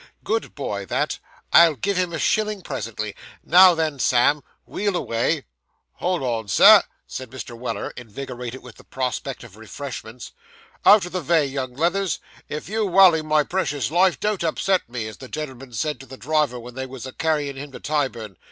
'Good boy, that. I'll give him a shilling, presently. Now, then, Sam, wheel away.' 'Hold on, sir,' said Mr. Weller, invigorated with the prospect of refreshments. 'Out of the vay, young leathers. If you walley my precious life don't upset me, as the gen'l'm'n said to the driver when they was a carryin' him to Tyburn.